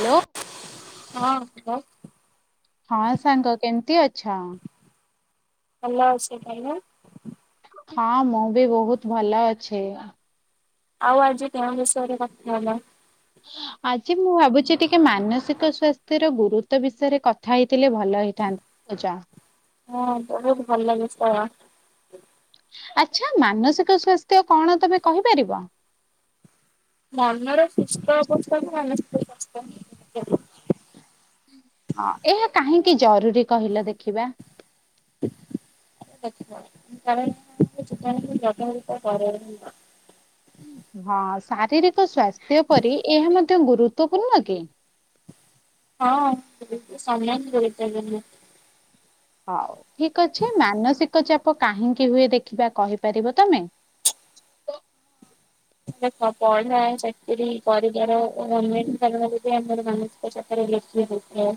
Hello ହଁ କହ ହଁ ସାଙ୍ଗ କେମିତି ଅଛ? ଭଲ ଅଛି ତମେ? ହଁ ମୁଁ ବି ବହୁତ ଭଲ ଅଛି। ଆଉ ଆଜି କୋଉ ବିଷୟରେ କଥାହେବା। ଆଜି ମୁଁ ଭାବୁଛି ଟିକେ ମାନସିକ ସ୍ୱାସ୍ଥ୍ୟର ଗୁରୁତ୍ୱ ବିଷୟରେ କଥା ହେଇଥିଲେ ଭଲ ଭଲ ହେଇଥାନ୍ତି ପଜା ହଁ ବହୁତ ଭଲ ଲାଗେଛି ତ ଆଚ୍ଛା ମାନସିକ ସ୍ୱାସ୍ଥ୍ୟ କଣ ତମେ କହିପାରିବ? ମନର ସୁସ୍ଥ ଅବସ୍ଥାକୁ ମାନସିକ ଅବସ୍ଥା କୁହାଯାଏ। ହଁ ଏହା କାହିଁକି ଜରୁରୀ କହିଲ ଦେଖିବା? [inaudible] ଦେଖ କାରଣ [unintelligible] କର। ହଁ ଶାରୀରିକ ସ୍ୱାସ୍ଥ୍ୟ ପରି ଏହା ମଧ୍ୟ ଗୁରୁତ୍ୱ। ଗୁରୁତ୍ୱ ପୂର୍ଣ୍ଣ କି? ହଁ ସମାନ ଗୁରୁତ୍ୱପୂର୍ଣ୍ଣ। ହଉ ଠିକ ଅଛି। ମାନସିକ ଚାପ କାହିଁକି ହୁଏ ଦେଖିବା କହିପାରିବ ତମେ? [inaudible] ପଢା ଚାକିରି କରିବାର ଅନେକ କାରଣରୁ ବି ଆମର ମାନସିକ ଚାପ ବେଶି ହୋଇଥାଏ।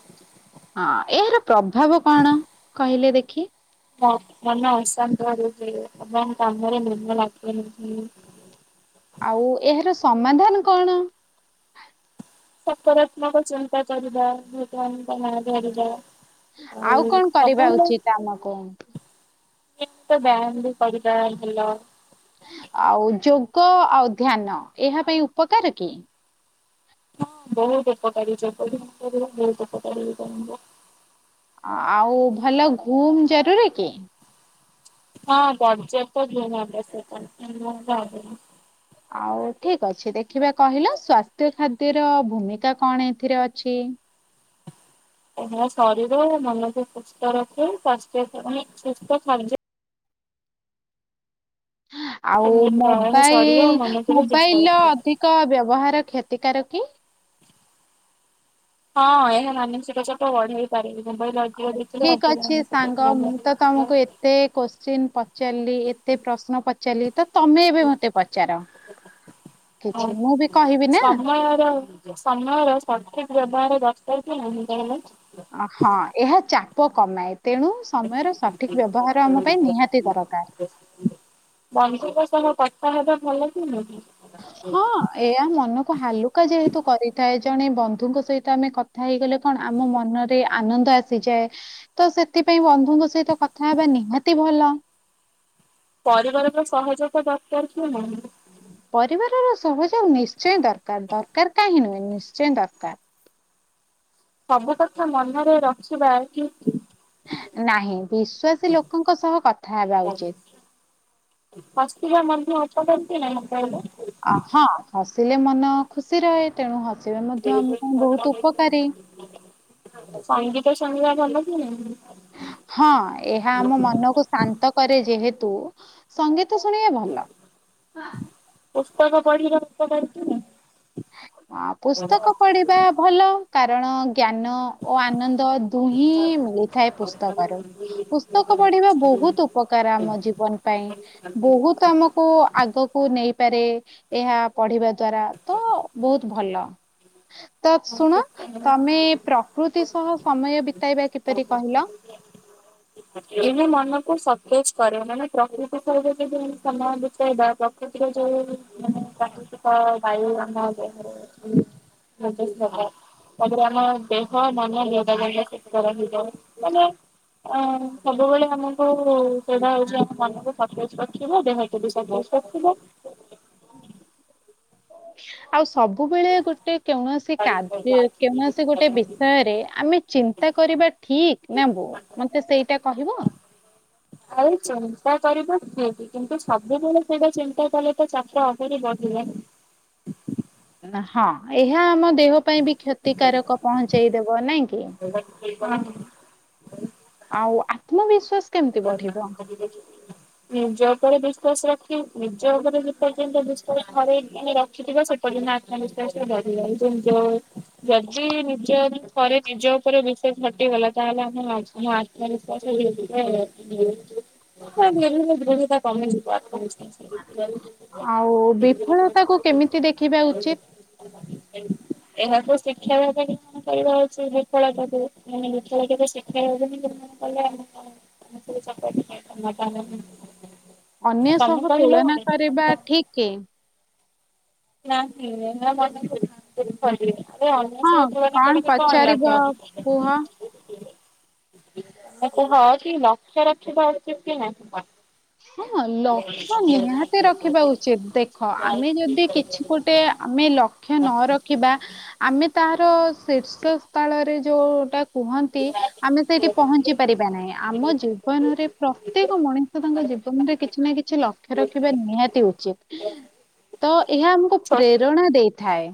ହଁ ଏହାର ପ୍ରଭାବ କଣ କହିଲେ ଦେଖି? ମନ ଅଶାନ୍ତ ରଉଛି ଏବଂ କାମରେ। [unintelligible] ଆଉ ଏହାର ସମାଧାନ କଣ? ସକାରାତ୍ମକ ଚିନ୍ତା କରିବା ଭଗବାନଙ୍କ ନାଁ ଧରିବା। ଆଉ କଣ୍ କରିବା ଉଚିତ୍ ଆମକୁ? ନିତ୍ୟ ବାୟାମ୍ ବି କରିବା ଭଲ। ଆଉ ଯୋଗ ଆଉ ଧ୍ୟାନ ଏହା ପାଇଁ ଉପକାର କି? ହ ବହୁତ ଉପକାରୀ ଯୋଗ ଯଦି କରିବ ବହୁତ ଉପକାରୀ ହେଇ ଆଉ ଭଲ ଘୁମ ଜରୁରୀ କି? ହଁ ଦର୍ଜା ତ ଜ ସେ ଭ ଆଉ ଠିକ ଅଛି ଦେଖିବା କହିଲ ସ୍ଵାସ୍ଥ୍ୟ ଖାଦ୍ୟର ଭୂମିକା କଣ ଏଥିରେ ଅଛି। ଏହା ଶରୀର ମନକୁ ସୁସ୍ଥ ରଖୁ ସ୍ୱାସ୍ଥ୍ୟାନ ସୁସ୍ଥ ସାଯ୍ୟ ଆଉ ଏହା ଶରୀର ଓ ମୋବାଇଲ ମନକୁ ବି ସୁସ୍ଥ ମୋବାଇଲ ରଖେ। ଅଧିକ ବ୍ୟବହାର କ୍ଷତ ପ୍ରତିକାର କି ହଁ ଏହା ମାନସିକ ଚାପ ବଢେଇ ପାରେ ମୋବାଇଲ ଅଧିକ ଦେଖିଲେ ଠିକ ଅଧିକ ଅଛି ମାନସିକ ସାଙ୍ଗ ଚାପ ମୁଁ ତ ବଢିପାରେ। ତମକୁ ଏତେ କୋଶ୍ଚିନ୍ ପଚାରିଲି ଏତେ ପ୍ରଶ୍ନ ପଚାରିଲି ତ ତମେ ଏବେ ମତେ ପଚାର? ହଁ କିଛି ମୁଁ ବି କହିବି ନା। ସମୟର ସମୟର ସଠିକ ବ୍ୟବହାର ଦରକାର ଥିଲା [unintelligible] ହଁ ଏହା ଚାପ କମାଇ ତେଣୁ ସମୟର ସଠିକ ବ୍ୟବହାର ଆମ ପାଇଁ ନିହାତି ଦରକାର। ବନ୍ଧୁଙ୍କ ସହ କଥା ହେବା ଭଲ କି ନୁଁ ହଁ ଏହା ମନକୁ ହାଲୁକା ଯେହେତୁ କରିଥାଏ। ଜଣେ ବନ୍ଧୁଙ୍କ ସହିତ ଆମେ କଥା ହେଇଗଲେ କଣ ଆମ ମନରେ ଆନନ୍ଦ ଆସିଯାଏ ତ ସେଥି ସେଥି ପାଇଁ ବନ୍ଧୁଙ୍କ ସହିତ କଥା ହେବା ନିହାତି ଭଲ ପରିବାରର ସହଯୋଗ ଦରକାର କିଏ ନାହିଁ? ପରିବାରର ସହଯୋଗ ନିଶ୍ଚୟ ଦରକାର ଦରକାର କାହିଁ ନୁହେଁ ନିଶ୍ଚୟ ଦରକାର। ସବୁ କଥା ମନରେ ରଖିବା କେତି? ନାହିଁ ବିଶ୍ୱାସୀ ଲୋକଙ୍କ ସହ କଥା ହେବା ଉଚିତ। ହସିଥିବା ମଧ୍ୟ ଅପ କରଛି ନା ମ କହିଲ ଅ ହଁ ହସିଲେ ମନ ଖୁସି ରହେ ତେଣୁ ହ ସଙ୍ଗୀତ ସଙ୍ଗିବା ଭଲ ନା ହଁ ଏହା ଆମ ମନକୁ ଶାନ୍ତ କରେ ଯେହେତୁ ସଙ୍ଗୀତ ତ ଶୁଣିବେ ଭଲ କ ବଢିର [unintelligible] କରିଛି ନା ଅ ପୁସ୍ତକ ପଢିବା ଭଲ କାରଣ ଜ୍ଞାନ ଓ ଆନନ୍ଦ ଦୁହିିଁ ମିଳିଥାଏ ପୁସ୍ତକରୁ ପୁସ୍ତକ ପଢିବା ବହୁତ ବହୁତ ଉପକାର ଆମ ଜୀବନ ପାଇଁ ବହୁତ ଆମକୁ ଆଗକୁ ନେଇ ଏହା ପଢିବା ଦ୍ଵାରା ତ ବହୁତ ଭଲ। ତ ଶୁଣ ନାହିଁ? ତମେ ପ୍ରକୃତି ସହ ସମୟ ବିତେଇବା କିପରି କହିଲ ଏବେ ମନକୁ ଚେଜ କରେ ମାନେ ପ୍ରକୃତି ସ ଯଦି ସମୟ ବିତେଇବା ପ୍ରକୃତିର ଯୋଉ ମାନେ ତ ବାୟୁ ରଧା ହ ଆେ ଆମ ଦେହ ମନ ଦି ଟା ଯାକ ସେତ କରର ହେଇ ଯାଉ ମାନେ ଅ ସବୁବେଳେ ଆମକୁ ସେଇଟା ହଉଛି, ଆମ ମନକୁ ସନ୍ତୋଜ ରଖିବ ଦେହକୁ ବି ସନ୍ତୋଜ ରଖିବ। ଆଉ ସବୁବେଳେ ଗୋଟେ ତି, କୌଣସି କାର୍ଯ୍ୟ କୌଣସି ଗୋଟେ ବିଷୟରେ ଆମେ ଚିନ୍ତା କରିବା ଠିକ୍। ନେବୁ ମତେ ସେଇଟା କହିବ? କରିବୁ କି କି କିନ୍ତୁ ସବୁବେଳେ ସେଇଟା ଚିନ୍ତା କଲେ ତ ଚାପ ଆହୁରି ବଢିବ ନା। [inaudible] ହଁ ଏହା ଆମ ଦେହ ପାଇଁ ବି କ୍ଷତିକାରକ ପହଞ୍ଚେଇଦବ ନେଇଁ? [unintelligible] ଆଉ ଆତ୍ମବିଶ୍ୱାସ ନିଜ ଉପରେ ବିଶ୍ୱାସ ରଖ କି ନିଜ ଉପରେ ଯେପର୍ଯ୍ୟନ୍ତ ବିଶ୍ୱାସ ହରେଇ ରଖିଥିବ ସେପଯ୍ୟନ୍ତ ଆତ୍ମିଶ୍ୱାସରେ ବଢିବ। କିନ୍ତୁ ଯଦି ନିଜ ଉପରେ ବିଶ୍ୱାସ ହଟିଗଲା ତାହେଲେ ଆମେ ହଁ ଆତ୍ମବିଶ୍ୱାସ ଦରତା କମେଇଯିବ ଆତ୍ମବି [unintelligible] ଆଉ ବିଫଳତାକୁୁ କେମିତି ଦେଖିବା ଉଚିତ? ଏହାକୁ ଶିକ୍ଷା ଭାବେଗ୍ରହଣ କରିବା ଉଚିତ ବିଫଳତାକୁ ଆମେ [unintelligible] ଚଟ [unintelligible] ଅନ୍ୟ ସହ ତୁଳନା କରିବା ଠିକ୍ କି? ନାଁ [unintelligible] ଆରେ ଅନ୍ୟ ହଁ ସହ ତୁଳନା କରିକି କଣ ପଚାରିବ ଲାଭ କୁହ? ହଁ କି ଲକ୍ଷ ରକ୍ଷିବା ଉଚିତ କି ନାଇଁ? ହଁ ଲକ୍ଷ ନିହାତି ରଖିବା ଉଚିତ ଦେଖ ଆମେ ଯଦି କିଛି ଗୋଟେ ଆମେ ଲକ୍ଷ୍ୟ ନ ରଖିବା ଆମେ ତାହାର ଶୀର୍ଷ ସ୍ଥଳରେ ଯୋଉଟା କୁହନ୍ତି ଆମେ ସେଇଠି ପହଞ୍ଚି ପାରିବା ନାହିଁ ଆମ ଜୀବନରେ ପ୍ରତ୍ୟେକ ମଣିଷ ତାଙ୍କ ଜୀବନରେ କିଛି ନା କିଛି ଲକ୍ଷ୍ୟ ରଖିବା ନିହାତି ଉଚିତ ତ ଏହା ଆମକୁ ଛୋ ପ୍ରେରଣା ଦେଇଥାଏ।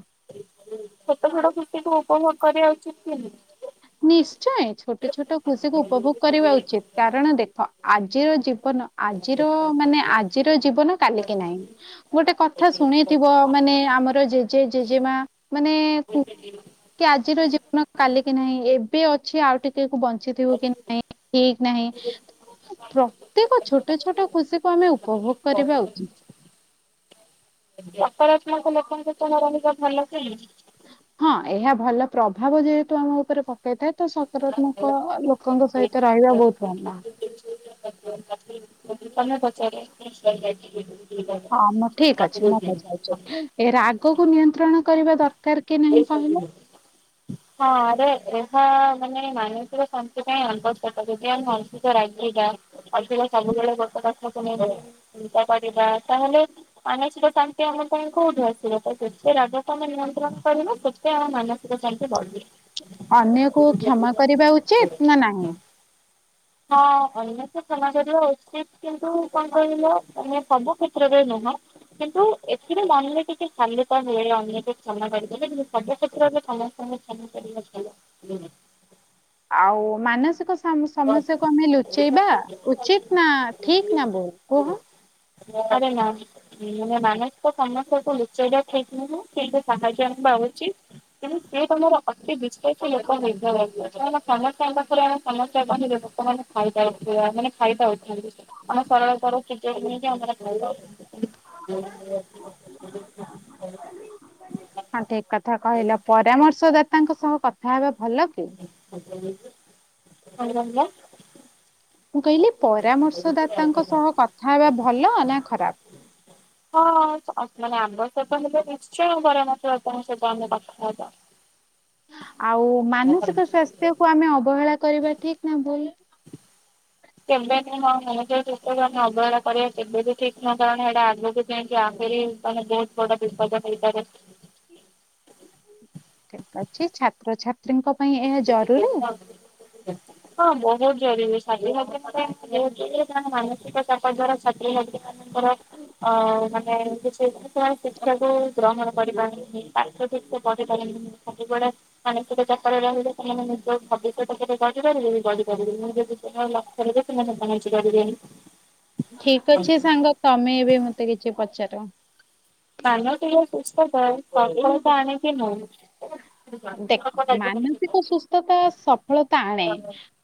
ଛୋଟ ଛୋଟ ଖୁସି କୁ ଉପଭୋଗ କରିବା ଉଚିତ କି ନା? ନିଶ୍ଚୟ ଛୋଟ ଛୋଟ ଖୁସିକୁ ଉପଭୋଗ କରିବା ଉଚିତ କାରଣ ଦେଖ ଆଜିର ଜୀବନ ଆଜିର ମାନେ ଆଜିର ଜୀବନ କାଲ କିି ନାହିଁ ଗୋଟେ କଥା ଶୁଣ ଶୁଣିଥିବ ମାନେ ଆମର ଜେଜେ ଜେଜେମା ମାନେ କୁହନ୍ତି କି ଆଜିର ଜୀବନ କାଲି କି ନାହିଁ ଏବେ ଅଛି ଆଉ ଟିକେ ବଞ୍ଚିଥିବୁ କି ନାଇଁ ଠିକ ନାହିଁ ପ୍ରତ୍ୟେକ ଛୋଟ ଛୋଟ ଖୁସି କୁ ଆମେ ଉପଭୋଗ କରିବା ଉଚିତ। ଆଜ୍ଞା ସମସ୍ତ ଙ୍କ ଲୋକଙ୍କ ସହ ରହିବା ଭଲ କି? ଭାବ ଯେହେତୁ ଆମ ଉପରେ ଏଥର ସକାରାତ୍ମକ ଲୋକଙ୍କ ସହିତ ରହିବା ବହୁତ ଭଲ। ତମେ ପଚାର ହଁ ମୁଁ ଠିକ ଅଛି ମୁଁ ପଚାରୁଛି ଏ ରାଗକୁ ନିୟନ୍ତ୍ରଣ କରିବା ଦରକାର କି ନାହିଁ କହିଲ? ହଁ ଆରେ ରେ ହଁ ମାନେ ମାନସିକ ଶାନ୍ତି ପାଇଁ ଆବଶ୍ୟକ ଯଦି ଆମେ ଅଧିକ ରାଗିବା ଅଧିକ ସବୁ ସବୁବେଳେ ଗୋଟେ କଥାକୁ ନେଇକି ଚିନ୍ତା କରିବା ତାହେଲେ ମାନସିକ ଶାନ୍ତି ଆମ ପାଇଁ କୋଉଠି ଯେତେ ରାଗକୁ ଆମେ ନିୟନ୍ତ୍ରଣ କରିବ ସେତେ ଆମ ମାନସିକ ଶାନ୍ତି ବଢିବ। ଅନ୍ୟକୁ କ୍ଷମା କରିବା ଉଚିତ ନା ନାହିଁ? ହଁ ଅନ୍ୟ ତ କ୍ଷମା କରିବା ଉଚିତ କିନ୍ତୁ କଣ କହିଲ ସବୁ କ୍ଷେତ୍ରରେ ନୁହଁ। କିନ୍ତୁ ଏଥିରେ ମନରେ ଟିକେ ହାଲୁକା ମିଳେ ଅନ୍ୟକୁ କ୍ଷମା କରିଦେଲେ କିନ୍ତୁ ସବୁ କ୍ଷେତ୍ରରେ ସମସ୍ତେଙ୍କୁ କ୍ଷମା କରିବା ଭଲ। ଆଉ ମାନସିକ ସମସ୍ୟାକୁ ଆମେ ଲୁଚେଇବା ଉଚିତ ନା ଠିକ ନା ଭୁଲ କୁହ? ପରେ ନା ମାନସିକ ସମସ୍ୟାକୁୁ ଲୁଚେଇବା ଠିକ ନୁହେଁ କିନ୍ତୁ ସାହାଯ୍ୟ ନବା ଆଉ କିନ୍ତୁ ସେ ତମର ଅତି ବିଶ୍ୱାସ ଲୋକ ହେଇଥିବ ଦରକାର ସମସ୍ତଙ୍କ ପାଖରେ ଆମେ ସମସ୍ତେ ଲୋକମାନେ ଖାଇଯାଉଥିବା ମାନେ ଖାଇପାରୁଛନ୍ତି ଆମେ ସରଳତାର ସୁଯୋଗନେଇକି ଆମେ ଖାଇବା [unintelligible] ହଁ ଠିକ୍ କଥା କହିଲ ପରାମର୍ଶଦାତାଙ୍କ ସହ କଥା ହେବା ଭଲ କି? ଆଜ୍ଞା ଆଜ୍ଞା କଣ କହିଲ? ମୁଁ କହିଲି ପରାମର୍ଶଦାତାଙ୍କ ସହ କଥା ହେବା ଭଲ ନା ଖରାପ୍? ହଁ ମାନେ ଆବ ସତ ହେଲେ ନିଶ୍ଚୟ ପରାମର୍ଶ ଦାତାଙ୍କ ସହିତ ଆମେ କଥା ହେବା। ଆଉ ମାନସିକ ସ୍ୱାସ୍ଥ୍ୟକୁୁ ଆମେ ଅବହେଳା କରିବା ଠିକ୍ ନା ଭୁଲ୍? କେବେଭି ନୁହଁ ମଣିଷ ଜୀବନକୁ ଆମେ ଅବହେଳା କରିବା କେବେ ବି ଠିକ ନୁହଁ କାରଣ ଏଇଟା ଆଗକୁ ଯାଇକି ଆ ମାନେ ବହୁତ ବଡ ବିପଦ ହେଇପାରେ। ଅଛି ଛାତ୍ରଛାତ୍ରୀ ହଁ ବହୁତ। [unintelligible] ଭାବେ ଯେ ମାନସିକ ଚାପ ଦ୍ୱାରା ଛାତ୍ରଛାତ୍ରୀ ମାନଙ୍କର ଅ ମାନେ କି ଶିକ୍ଷାକୁୁ ଗ୍ରହଣ କରିପାରନ୍ତିନି ପାଠ ଠିକ୍ ସେ ପଢିପାରନ୍ତିନି ଖାଲିଗୁଡା ମାନସିକ ରେ ରହିଲେ ସେମାନେ ନିଜ ଭବିଷ୍ୟତ ଉପରେ ଗଢିପାରିବେ ବି ଗଢିପାରିବେ ଯଦି ସେ ଲକ୍ଷ୍ୟ ରହିବ ସେମାନେ କିଛି କରିବେନି। ଠିକ୍ ଅଛି ସାଙ୍ଗ ତମେ ଏବେ ମତେ କିଛି ପଚାର। କାନ ଟିକେ [unintelligible] ଦେଖ ମାନସିକ ସୁସ୍ଥତା ସଫଳତା ଆଣେ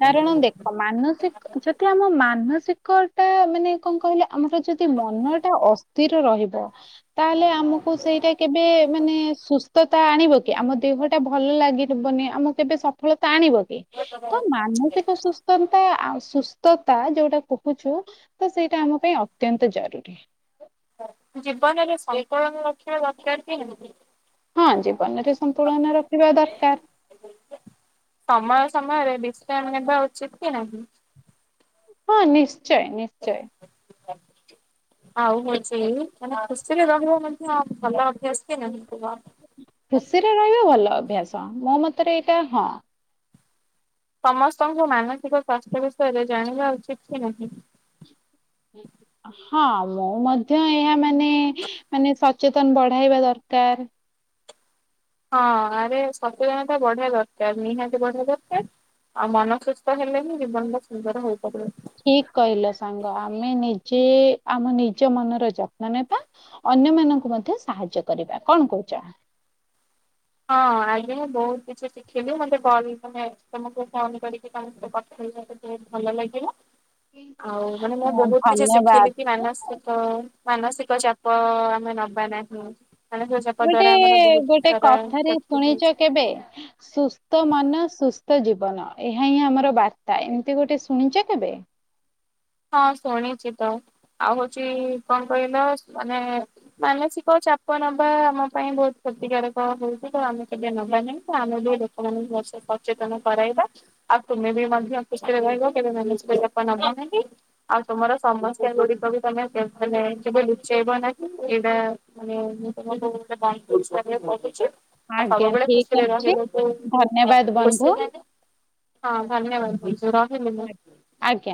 କାରଣ ଦେଖ ମାନ ଯଦି ଆମ ମାନସିକଟା ମାନେ କଣ କହିଲେ ଆମର ଯଦି ମନଟା ଅସ୍ଥି ଅସ୍ଥିର ରହିବ ତାହେଲେ ଆମକୁ ସେଇଟା କେବେ ମାନେ ସୁସ୍ଥତା ଆଣିବ କି ଆମ ଦେହ ଦେହଟା ଭଲ ଲାଗି ରିବନି ଆମ କେବେ ସଫଳତା। ଟାଣିବ କି ତ ମାନସିକ ସୁସ୍ଥତା ଆ ସୁସ୍ଥତା ଯୋଉଟା କହୁଛୁ ତ ସେଇଟା ଆମ ପାଇଁ ଅତ୍ୟନ୍ତ ଜରୁରୀ। ଜୀବନରେ ସନ୍ତୁଳନ ଲକ୍ଷଣ ଦରକାର କି ନାହିଁ। ହଁ ଜୀବନରେ ସନ୍ତୁଳନ ରଖିବା ଦରକାର। ସମୟ ସମୟରେ ବିଶ୍ରାମ ନେବା ଉଚିତ କି ନାହିଁ। ହଁ ନିଶ୍ଚୟ ନିଶ୍ଚୟ। ଆ। ଆଉ ହଉଛି ମାନେ ଖୁସିରେ ରହିବା ମଧ୍ୟ ଭଲ ଅଭ୍ୟାସ କି ନାହିଁ। ଖୁସିରେ ରହିବା ଭଲ ଅଭ୍ୟାସ ମୋ ମତରେ ଏଇଟା ହଁ। ସମସ୍ତଙ୍କୁ ମାନସିକ ସ୍ୱାସ୍ଥ୍ୟ ବିଷୟରେ ଜାଣିବା ଉଚିତ କି ନାହିଁ? ହୁଁ ହଁ ମୁଁ ମଧ୍ୟ ଏହା ମାନେ ମାନେ ସଚେତନ ବଢାଇବା ଦରକାର। ହଁ ଆରେ ସଚେତନତା ବଢେଇବା ଦରକାର ନିହାତି ବଢେଇବା ଦରକାର। ଆଉ ମନ ସୁସ୍ଥ ହେଲେ ହିଁ ଜୀବନଟା ସୁନ୍ଦର ହୋଇପାରିବ। ଠିକ୍ କହିଲ ସାଙ୍ଗ ଆମେ ନିଜେ ଆମ ନିଜ ମନର ଯତ୍ନ ନେବା ଅ - ଅନ୍ୟ ମାନଙ୍କୁ ମଧ୍ୟ ସାହାଯ୍ୟ କରିବା କଣ କହୁଛ? [inaudible] ହଁ ଆଜି ମୁଁ ବହୁତ କିଛି ଶିଖିଲି ମତେ କଲ୍ ତମକୁ ଫୋନ କରିକି ତମେ [unintelligible] ଭଲ ଲାଗିଲା। ଆଉ ମାନେ ମୁଁ ହଁ, ବହୁତ କିଛି ଧନ୍ୟବାଦ ଶିଖିଲି କି ମାନସିକ ମାନସିକ ଚାପ ଆମେ ନବା ନାହିଁ ମାନସିକ ଚାପ ଗୋଟେ ଦ୍ଵାରା ଆମର ବହୁତ ଗୋଟେ ସାରା କଥାରେ କ୍ଷତି ଶୁଣିଛ ହଉଛି। କେବେ ସୁସ୍ଥ ମନ ସୁସ୍ଥ ସ୍ଥ ଜୀବନ ଏହା ହିଁ ଆମର ବାର୍ତ୍ତା ଏମିତି ଗୋଟେ ଶୁଣିଛ କେବେ? ହଁ ଶୁଣିଛି ତ ଆଉ ହଉଛି କଣ କହିବା ମାନେ ମାନସିକ ଅଛି ଚାପ ନବା ଆମ ପାଇଁ ବହୁତ କ୍ଷତିକାରକ ହଉଛି ତ ଆମେ କେବେ ନବା ନାହିଁ ତ ଆମେ ବି ଲୋକମାନଙ୍କୁ ବହୁ ସଚେତନ କରାଇବା ଆଉ ତୁମେ ବି ମଧ୍ୟ ଖୁସିରେ ରହିବ କେବେ ମାନସିକ ଚାପ ନବନାହିଁ। ଆଉ ତମର ସମସ୍ୟା ଗୁଡିକ ବି ତମେ କେବ ମାନେ ଲୁଚେଇବ ନା ଏଇଟା ମାନେ [unintelligible] ଆ ଆଜ୍ଞା ସବୁବେଳେ ଠିକ ଖୁସିରେ ଅଛି ରହିବାକୁ ଧନ୍ୟବାଦ ଖୁସି ବନ୍ଧୁ ମାନେ ହଁ ଧନ୍ୟବାଦ ରହିଲି ମୁଁ। ଆଜ୍ଞା।